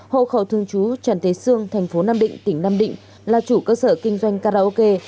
hộ khẩu thương chú trần thế sương thành phố nam định tỉnh nam định là chủ cơ sở kinh doanh karaoke